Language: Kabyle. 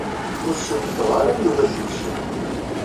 Ur cukkteɣ ara Yuba ad yefcel.